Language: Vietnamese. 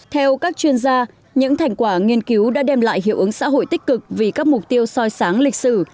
theo các chuyên gia những thành quả nghiên cứu đã đem lại hiệu ứng xã hội tích cực vì các mục tiêu soi sáng lịch sử